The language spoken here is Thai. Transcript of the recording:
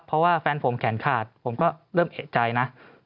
เพราะว่าแฟนผมแขนขาดผมก็เริ่มเอกใจนะ